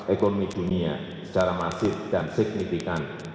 ekonomi dunia secara masif dan signifikan